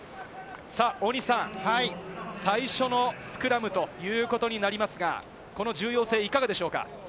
大西さん、最初のスクラムということになりますが、この重要性いかがでしょうか？